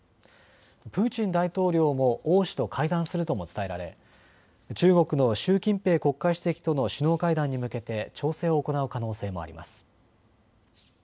プーチン大統領も王氏と会談するとも伝えられ中国の習近平国家主席との首脳会談に向けて調整を行う可能性もあります。